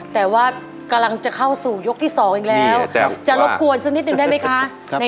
แต่ว่ากำลังจะเข้าสู่ยกที่๒อีกแล้วจะรบกวนสักนิดหนึ่งได้ไหมคะ